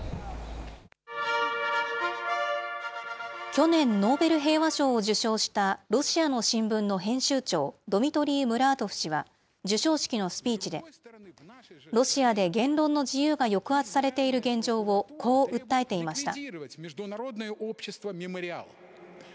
去年、ノーベル平和賞を受賞したロシアの新聞の編集長、ドミトリー・ムラートフ氏は授賞式のスピーチで、ロシアで言論の自由が抑圧されている現状をこう訴えていました。